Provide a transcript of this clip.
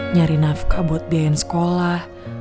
nyari nafkah buat biayain sekolah